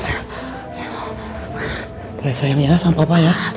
terima kasih sayang ya sama papa ya